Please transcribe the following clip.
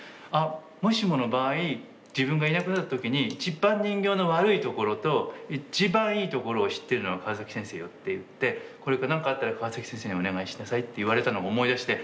「もしもの場合自分がいなくなった時に一番人形の悪いところと一番いいところを知ってるのは川崎先生よ」って言って何かあったら川崎先生にお願いしなさいって言われたのを思い出して。